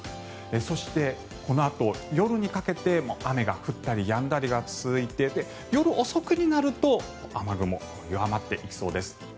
そして、このあと夜にかけても雨が降ったりやんだりが続いて夜遅くになると雨雲、弱まっていきそうです。